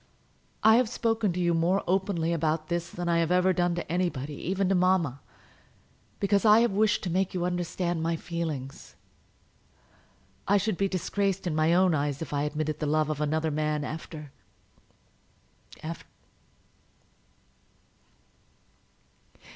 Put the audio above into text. I have spoken to you more openly about this than I have ever done to anybody, even to mamma, because I have wished to make you understand my feelings. I should be disgraced in my own eyes if I admitted the love of another man, after after